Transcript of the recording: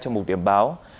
trong một điểm báo